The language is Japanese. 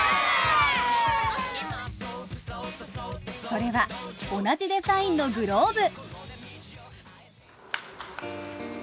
それは同じデザインのグローブ